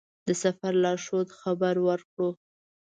د سفر لارښود خبر کړو.